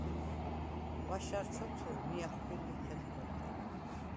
ღვაშა̈რ ჩოცურ, მი ა̈ხვბინ ლიჴედ ქორთე.